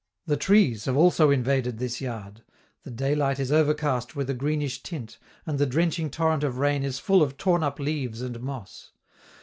The trees have also invaded this yard; the daylight is overcast with a greenish tint, and the drenching torrent of rain is full of torn up leaves and moss.